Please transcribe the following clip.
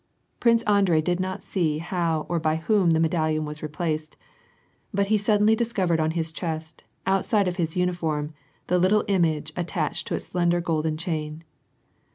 Prince Andrei did not see how or by whom the medallion was replaced, but he suddenly discovered on his chest, outside of his uniform, the little image attached to its slender golden chain.